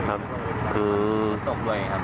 ไม่ติด